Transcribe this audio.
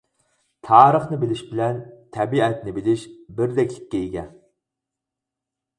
تارىخنى بىلىش بىلەن تەبىئەتنى بىلىش بىردەكلىككە ئىگە.